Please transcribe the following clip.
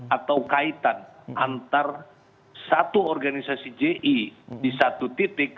atau kaitan antar satu organisasi ji di satu titik